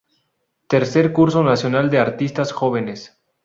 Tercer Concurso Nacional de Artistas Jóvenes.